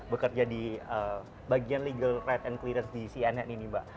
bekerja di bagian legal rights and clearance di cnn ini mbak